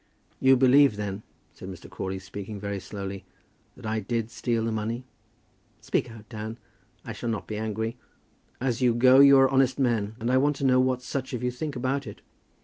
"You believe, then," said Mr. Crawley, speaking very slowly, "that I did steal the money. Speak out, Dan; I shall not be angry. As you go you are honest men, and I want to know what such of you think about it."